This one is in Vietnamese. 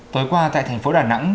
tối qua tại thành phố đà nẵng